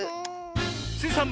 スイさん